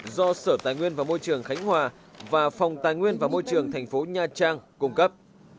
do sở tài nguyên và môi trường khánh hòa và phòng tài nguyên và môi trường thành phố nha trang cung cấp